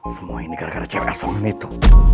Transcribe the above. semua ini gara gara cewek asungan itu